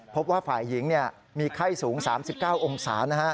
พบว่าฝ่ายหญิงมีไข้สูง๓๙องศา